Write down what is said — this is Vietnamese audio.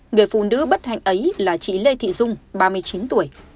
người phụ nữ bất hạnh ấy là chị lê thị dung ba mươi chín tuổi